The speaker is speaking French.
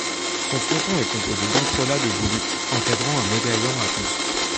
Son fronton est composé d'entrelacs de volutes encadrant un médaillon à buste.